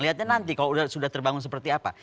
lihatnya nanti kalau sudah terbangun seperti apa